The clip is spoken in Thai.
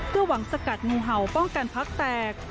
เพื่อหวังสกัดงูเห่าป้องกันพักแตก